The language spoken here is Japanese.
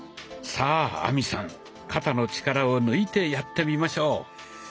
さあ亜美さん肩の力を抜いてやってみましょう。